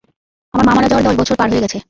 আমার মা মারা যাওয়ার দশ বছর পার হয়ে গেছে।